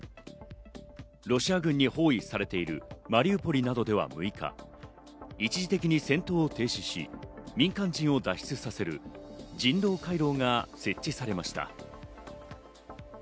ロシア軍に包囲されているマリウポリなどでは６日、一時的に戦闘を停止し、民間人を脱出させる人道回廊が設置されました。